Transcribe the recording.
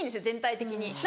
全体的に。